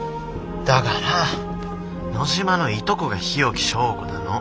だから野嶋のいとこが日置昭子なの。